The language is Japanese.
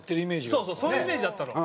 そうそうそういうイメージだったの。